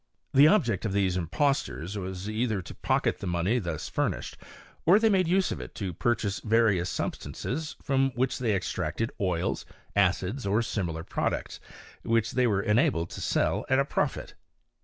The object of these impostors was either to pocket the money thus furnished, or they made use of it to pur chase various substances from which they extracted oils, acids, or similar products, which they were enabled to sell at a profit.